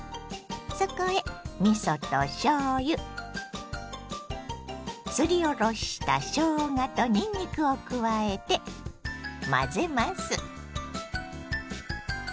そこへみそとしょうゆすりおろしたしょうがとにんにくを加えて混ぜます。